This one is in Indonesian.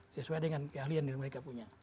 sesuai dengan keahlian yang mereka punya